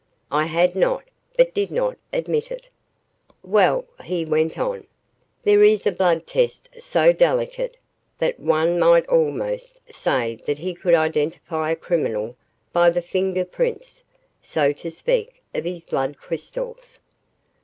I had not, but did not admit it. "Well," he went on, "there is a blood test so delicate that one might almost say that he could identify a criminal by the finger prints, so to speak, of his blood crystals.